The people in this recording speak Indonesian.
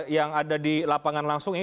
yang ada di lapangan langsung